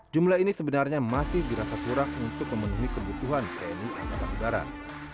jumlah ini sebenarnya masih dirasa kurang untuk memenuhi kebutuhan tni angkatan udara